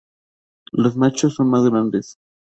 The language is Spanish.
Los machos son más grandes.